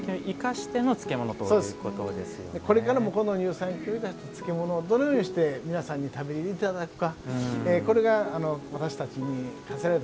これからもこの乳酸菌を生かした漬物をどのようにして皆さんに食べていただくか。